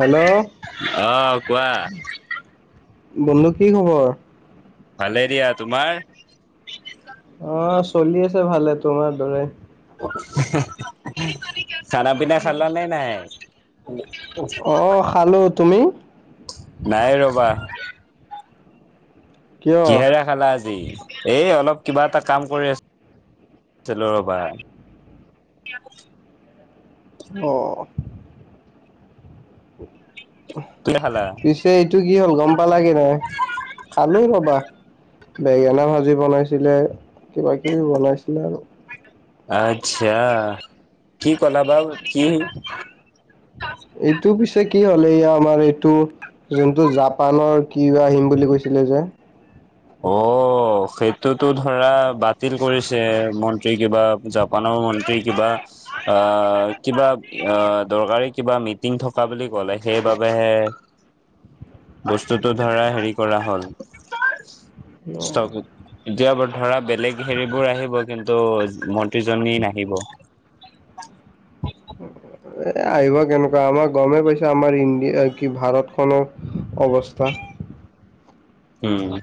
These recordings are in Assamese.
হেল্ল' আহ কোৱা? বন্ধু কি খবৰ? ভালেদিয়া, তোমাৰ? অ' চলি আছে ভালে তোমাৰ দৰে। খানা পিনা খালা নে নাই? অ খালোঁ। তুমি? নাই ৰবা। কিয়? কিহেৰে খালা আজি? এই অলপ কিবা এটা কাম কৰি আছিলো ৰ'বা [unintelligible] অঁ', তুমি খালা পিছে এইটো কি হ'ল গম পালাগে নহ খালো ৰবা। বেঙেনা ভাজি বনাইছিলে কিবা কিবি বনাইছিলে আৰু। আচ্ছা, কি কলা বাও কি এইটো পিছে। কি হ'লে এয়া আমাৰ এইটো যোনটো জাপানৰ কি আহিম বুলি কৈছিলে যে। অ' সেইটোতো ধৰা বাতিল কৰিছে মন্ত্ৰীক কিবা জাপানৰ মন্ত্ৰী কিবা আহ কিবা অ দৰকাৰী কিবা। মিটিং থকা বুলি কলে সেইবাবেহে উম, বস্তুটো ধৰা হেৰি কৰা হ'ল। অ ষ্টক এতিয়া ধৰা বেলেগ হেৰিবোৰ আহিব কিন্তু মন্ত্ৰীজনী নাহিব। এ আহিব কেনেকুৱা আমাৰ গমেই পাছে আমাৰ ইণ্ডিয়া কি ভাৰত খনৰ অৱস্থা উম,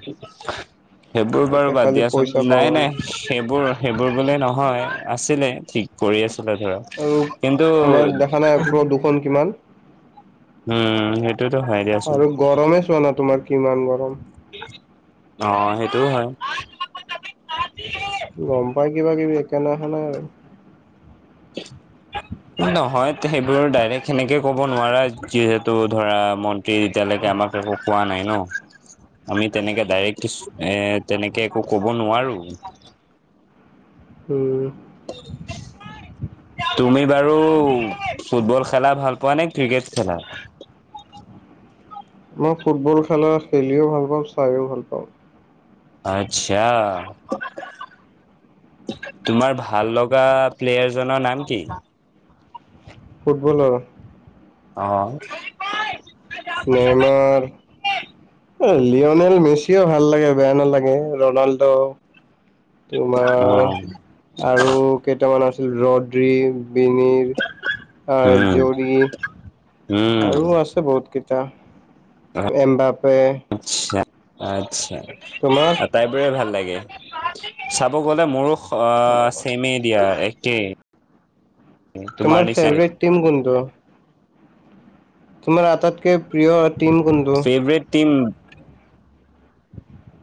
সেইবোৰ বাৰু ইয়াতে বাদ খালি দিয়াচোন পইচা খোৱা নাই মানুহ। নাই সেইবোৰ সেইবোৰ বোলে নহয়। আছিলে ঠিক কৰি আছিলে ধৰ আৰু কিন্তু। আমাৰ দেখা নাই প্ৰদূষণ কিমান উম সেই আৰু গৰমে চোৱা না তোমাৰ কিমান গৰম। অ' সেইটোও হয়। গম পাই কিবা কিবি একে নহা নাই আৰু। [inaudible] নহয় সেইবোৰ ডাইৰেক্ট সেনেকে ক'ব নোৱাৰা যিহেতু ধৰা মন্ত্ৰী এতিয়ালৈকে। এয়া আমাক একো পোৱা নাই ন। আমি তেনেকে ডাইৰেক্ট এ তেনেকে একো কব নোৱাৰো। উম, তুমি বাৰু ফুটবল খেলা ভাল পোৱা নে ক্ৰিকেট খেলা। অ [unintelligible] মই ফুটবল খেলা খেলিও ভাল পাওঁ চাইও ভাল পাওঁ। আচ্ছা, তোমাৰ ভাল লগা প্লেয়াৰজনৰ নাম কি? ফুটবলৰ? অহ, নেইমাৰ লিঅনেল মেচিও ভাল লাগে বেয়া নালাগে ৰনাল্ডো। তোমাৰ অ', আৰু কেইটামান আছিল ৰড্ৰি। বিনিৰ আৰু উম, জৰি উম। আৰু আছে বহুত ক। কেইটা এমবাব। আচ্ছাঁ-আচ্ছাঁ তোমাৰ আটাইবোৰে ভাল লাগে। চাব গ'লে মোৰো আহ চেমে দিয়া একেই। তোমাৰ নিচিনাই। ফেভৰেট টিম কোনটো তোমাৰ আটাইতকৈ প্ৰিয় টিম কোনটো? Favourite team.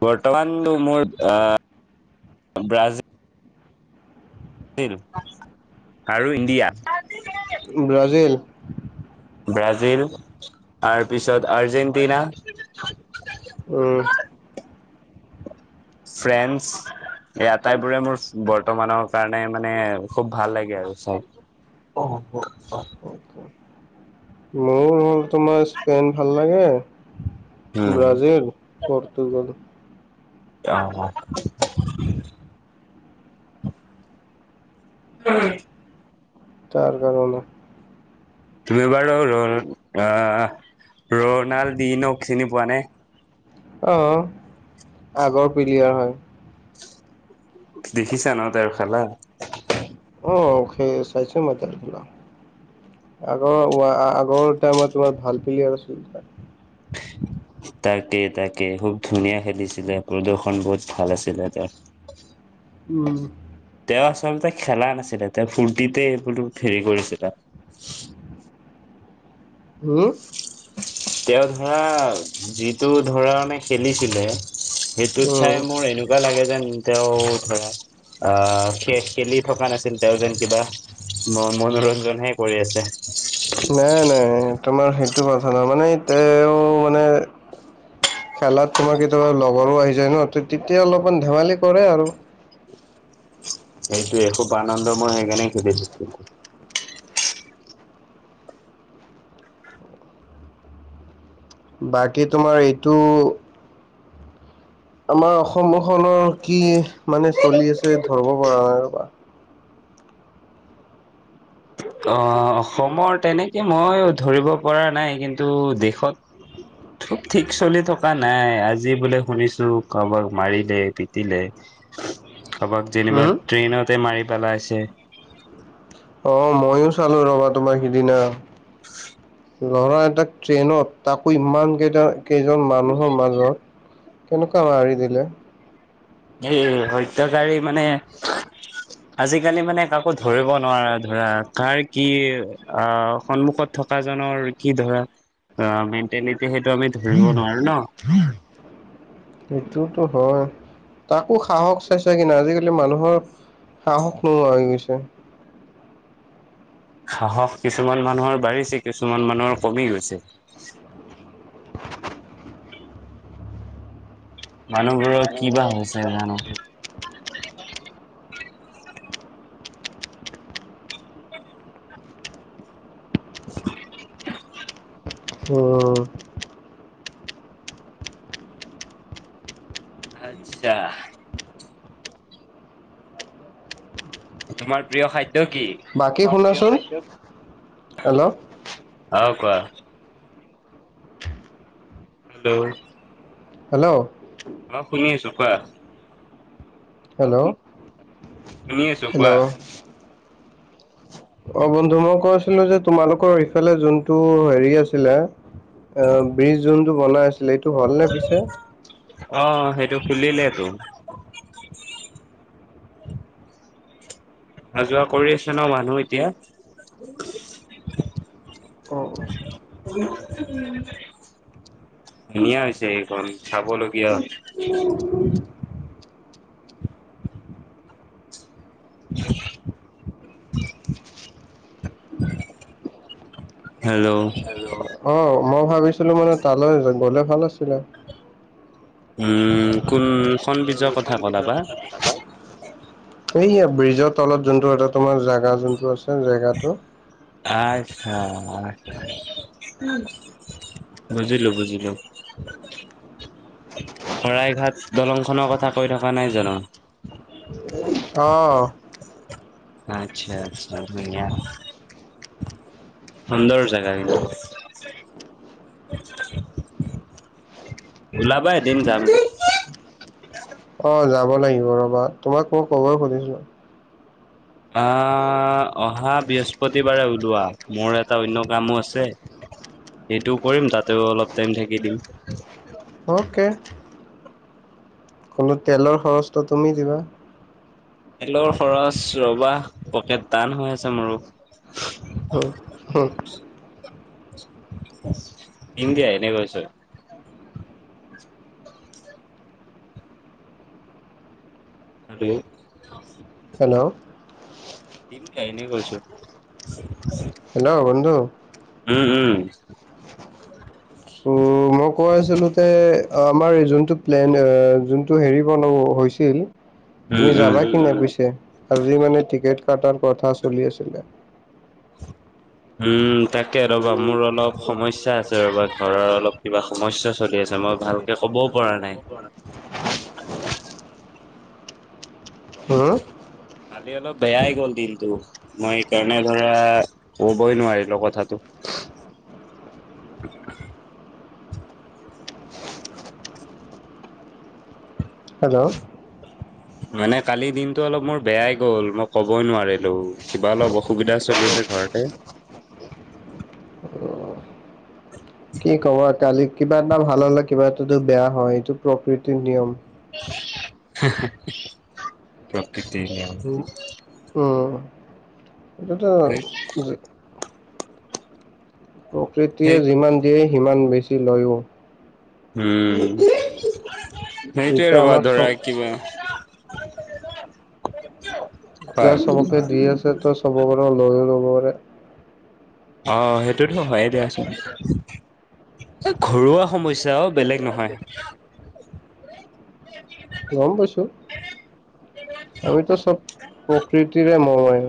বৰ্তমান মোৰ অহ, ব্ৰাজিল। সেইটো। আৰু ইণ্ডিয়া। ব্ৰাজিল। ব্ৰাজিল তাৰপিছত, আৰ্জেণ্টিনা। উম'। ফ্ৰেন্স। এই আটাইবোৰে মোৰ বৰ্তমানৰ কাৰণে মানে খুব ভাল লাগে আৰু চাই। অহ', অহ'। মোৰ হ'ল। তোমাৰ স্পেইন ভাল লাগে। উম। Brazil Portugal. অহ'। উম'। তাৰ কাৰণে। তুমি বাৰু ৰনা অহ, ৰনাল্ডিনক চিনি পোৱা নে? অহ' আগৰ পিলিয়াৰ হয়। দেখিছা ন, তেওঁৰ খেলা। অহ' চাইছো মই তেওঁৰ খেলা। আগৰ আগৰ টাইমত তোমাৰ ভাল পিলেয়াৰ আছিল। তাকে তাকে খুব ধুনীয়া খেলিছিলে প্ৰদৰ্শন বহুত ভাল আছিলে তাৰ। [unintelligible] উম'। তেওঁৰ মতে খেলা নাছিলে, তেওঁ ফূৰ্তিতে বোলো হেৰি কৰিছিলা। হম। তেওঁ ধৰা যিটো ধৰা মানে খেলিছিলে। সেইটোত উম, চাই মোৰ এনেকুৱা লাগে যেন তেওঁ ধৰা আহ, খে-খেলি থকা নাছিল তেওঁ যেন কিবা। ম-মনোৰঞ্জনহে কৰি আছে। নাই নাই তোমাৰ সেইটো কথা নহয় মানে তেওঁ মানে খেলাত তোমাৰ কেতিয়াবা লগৰো আহি যায় ন, তেতিয়া অলপমান ধেমালি কৰে আৰু। সেইটোৱে খুব আনন্দময় সেইকাৰণেই সুধিছো। [unintelligible] বাকী তোমাৰ এইটো আমাৰ অসমখনৰ কি মানে চলি আছে ধৰিব পৰা নাই ৰবা। অহ' অসমৰ তেনেকে মই ধৰিব পৰা নাই কিন্তু দেশত চব ঠিক চলি থকা নাই, আজি বোলে শুনিছো কাৰোবাক মাৰিলে পিটিলে। [unintelligible] কাৰোবাক যেনিবা হুম? ট্ৰেইনতে মাৰি পেলাইছে। অহ' ময়ো চালো ৰবা তোমাৰ সিদিনা। ল'ৰা এটা ট্ৰেইনত, তাকো ইমান কেইটা কেইজন মানুহৰ মাজত। কেনেকুৱা মাৰি দিলে। এই হত্যাকৰী মানে, আজিকালি মানে কাকো ধৰিব নোৱাৰা। ধৰা কাৰ কি আহ, সন্মুখত থকা জনৰ কি ধৰা অহ, মেইন টেনেন্ট সেইটো আমি ধৰিব নোৱাৰো ন। উম', হয়। তাকো সাহস চাইছা কিনে আজিকালি মানুহৰ সাহস নোহোৱা হৈ গৈছে। সাহস কিছুমান মানুহৰ বাঢ়িছে, কিছুমান মানুহৰ কমি গৈছে। [unintelligible] মানুহবোৰৰ কি বা হৈছে জানো। [unintelligible] উম আচ্ছা। তোমাৰ প্ৰিয় খাদ্য কি? বাকী শুনাচোন হেল্ল' অ কোৱা। হেল্ল'। হেল্ল'। অ শুনি আছো কোৱা। হেল্ল'। শুনি আছো হেল্ল' কোৱা। অ বন্ধু মই কৈছিলো যে তোমালোকৰ ইফালে যোনটো হেৰি আছিলে অ ব্রীজ যোনটো বনাই আছিলে এইটো হ'লনে পিছে অ সেইটো খুলিলে তো অহা যোৱা কৰি আছে ন মানুহ এতিয়া অ ধুনীয়া হৈছে এইখন চাবলগীয়া [inaudible] [unintelligible] [unintelligible] [unintelligible] হেল্ল অ মই ভাবিছিলো মানে তালৈ গ'লে ভাল আছিলে উম কোনখন ব্ৰীজৰ কথা ক'লা বা এইয়া ব্ৰিজৰ তলত যোনটো এটা তোমাৰ জেগা যোনটো আছে জেগাটো আচ্ছা আচ্ছা বুজিলো বুজিলো শৰাইঘাট দলংখনৰ কথা কৈ থকা নাই জানো অ আচ্ছা আচ্ছা ধুনীয়া সুন্দৰ জেগা কিন্তু উলাবা এদিন যাম অ যাব লাগিব ৰবা তোমাক মই কবই খুজিছো আহ অহা বৃহস্পতিবাৰে ওলোৱা মোৰ এটা অন্য কামো আছে সেইটো কৰিম তাতেও অলপ টাইম থাকি দিম অ'কে। কলো তেলৰ খৰচটো তুমি দিবা। তেলৰ খৰচ ৰবা পকেট টান হৈ আছে মোৰো। হু হ। ইন্দিয়াই এনেই কৈছো। আৰু হেল্ল' ইন্দিয়াই এনে কৈছে। [inaudible] হেল্ল' বন্ধু। উ উ। তো ম মই কৈ আছিলোঁ তে আ আমাৰ এই যোনটো প্লেন, যোনটো হেৰি বনাব হৈছিল উম তুমি উম। যাবা কি নাই পিছে? আজি মানে টিকেত কাটাৰ কথা চলি আছিলে। [unintelligible] তাকে ৰ'বা মোৰ অলপ সমস্যা আছে ৰ'বা ঘৰৰ অলপ কিবা সমস্যা চলি আছে মই ভালকৈ ক'ব [unintelligible] হম কালি অলপ বেয়াই গ'ল দিনটো, মই সকাৰণে ধৰা, কবই নোৱাৰিলোঁ কথাটো। [inaudible] [inaudible] হেল্ল'। মানে কালি দিনটো অলপ মোৰ বেয়াই গ'ল মই কবই নোৱাৰিলোঁ, কিবা অলপ অসুবিধা চলি আ আছে ঘৰতে। [inaudible] কি কবা কালি কিবা এটা ভাল হ'লে কিবা এটাটো বেয়া হয় এইটো প্ৰকৃতিৰ নিয়ম। হা-হা, প্ৰকৃতিৰ নিয়ম। উম এটোতো প্ৰকৃতিয়ে সেই যিমান দিয়ে সিমান বেছি লয়ো। উম, সেইটোৱে এতিয়া ৰবা আমাক ধৰা চব কিবা যা হয়। চবকে দি আছে, ত' চবৰ লৈও লব পাৰে। অ', সেইটোৱে তো হয়ে দিয়াচোন। এ ঘৰুৱা সমস্যা অ', বেলেগ নহয়। গম পাইছোঁ, আমিতো চব প্ৰকৃতিৰে ম হয়।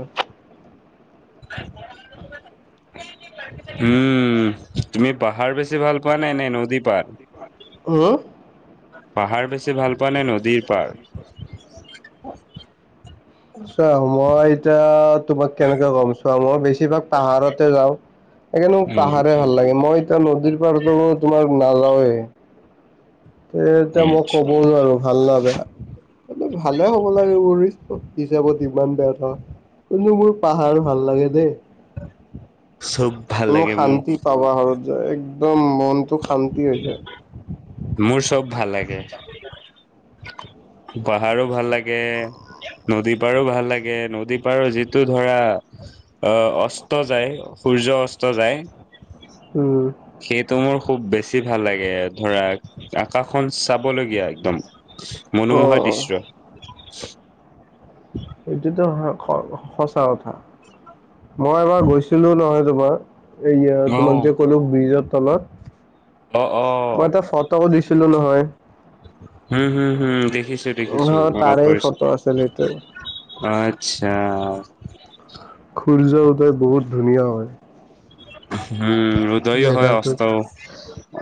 উম, তুমি পাহাৰ বেছি ভাল প পোৱা নে নদী পাৰ, উম পাহাৰ বেছি ভাল পোৱা নে নদীৰ পাৰ? চোৱা মই এতিয়া, তোমাক কেনেকে ক'ম চোৱা মই বেছি বেছিভাগ পাহাৰতে যাওঁ, সেইকাৰণে মোক পাহাৰে উম, ভাল লাগে। মই এতিয়া নদীৰ পৰাটো মই তোমাৰ নাজাওঁৱে। হে, এতিয়া মই কব নোৱাৰোঁ ভাল না বেয়া। ভালে হ'ব লাগে, হিচাপত ইমান বেয়া নহয়। কিন্তু মোৰ পাহাৰ ভাল লাগে দেই। চব ভাল মোৰ লাগে শান্তি পাওঁ পাহাৰত যায়, একদম মনটো শান্তি হৈ যায়। মোৰ চব ভাল লাগে। [inaudible] পাহাৰো ভাল লাগে, নদী পাৰো ভাল লাগে, নদী পাৰৰ যিটো ধৰা অ', অস্ত যায়, সূৰ্য অস্ত যায়। উম, সেইটো মোৰ খুব বেছি ভাল লাগে, ধৰা আকাশখন মনোমোহা অ', দৃশ্য। এইটোতো স-সঁচা কথা। মই এবাৰ গৈছিলোঁ নহয়, তোমাৰ এইয়া তোমাক অ', যে ক'লো ব্ৰিজৰ তলত। অ', মই তাত ফটো দিছিলোঁ নহয়। হুম, হুম, হুম, দেখিছো উ, দেখিছো মনত তাৰে পৰিছে। ফটো আছিলে সেইটো। আচ্ছা। সূৰ্য উদয় বহুত ধুনীয়া হয়। উম, ৰোদয়ো হয় জেগাটো। অস্ত ও অচ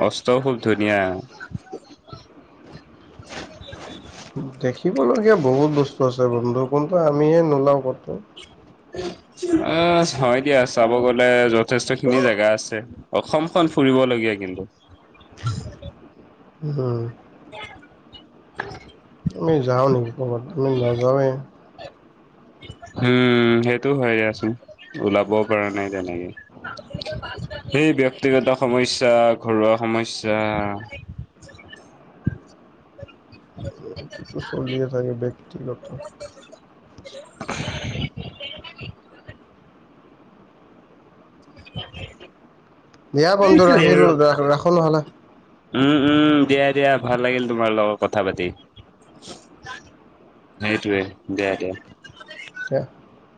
অস্ত খুব ধুনীয়া। দেখিবলগীয়া বহুত বস্তু আছে বন্ধু কোনটো আমিহে নোলাও ক'তো। অ', হয় দিয়া চাব গলে যথেষ্ট খিনি জেগা আছে অসমখন ফুৰিবলগীয়া কিন্তু। উম, আমি যাওঁ নেকি ক'ৰবাত আমি নাযাওঁৱে। [inaudible] উম, সেইটোও হয় দিয়াছোন ওলাবও পৰা নাই তেনেকে, সেই ব্যক্তিগত সমস্যা, ঘৰুৱা সমস্যা। [inaudible] টোতো চলিয়ে থাকে ব্যক্তিগত। [inaudible] [inaudible] দিয়া বন্ধু ৰাখিলো, ৰাখো নহলে। উম, উম, দিয়া-দিয়া, ভাল লাগিল তোমাৰ লগত কথা পাতি। সেইটোৱে, দিয়া-দিয়া। [inaudible]